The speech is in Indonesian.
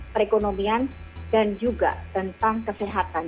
perekonomian dan juga tentang kesehatan